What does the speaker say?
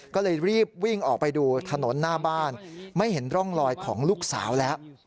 ก็เลยรีบวิ่งออกไปดูถนนหน้าบ้านไม่เห็นร่องลอยของลูกสาวแล้ว